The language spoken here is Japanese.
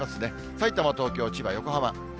さいたま、東京、千葉、横浜。